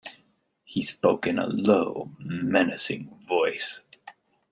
He spoke in a low, menacing voice.